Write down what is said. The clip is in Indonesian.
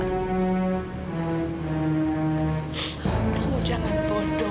kamu jangan bodoh